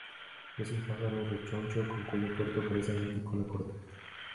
Es un pájaro rechoncho, con cuello corto, cabeza grande y cola corta.